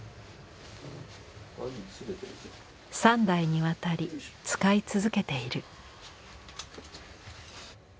３代にわたり使い続けている。